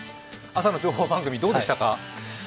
朝の情報番組どうでしたか？